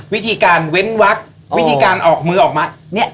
วิธีการเว้นวักวิธีการออกมือออกมาเนี่ย